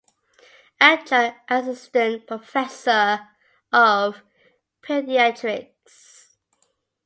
Adjunct Assistant Professor of Pediatrics.